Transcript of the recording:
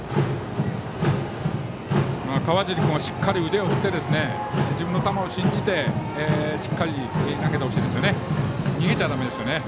川尻君はしっかり腕を振って自分の球を信じてしっかり投げてほしいですね。